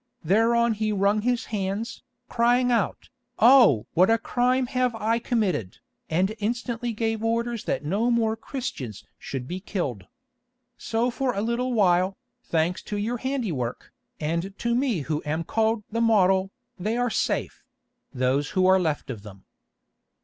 Thereon he wrung his hands, crying out, 'Oh! what a crime have I committed,' and instantly gave orders that no more Christians should be killed. So for a little while, thanks to your handiwork, and to me who am called 'the Model,' they are safe—those who are left of them.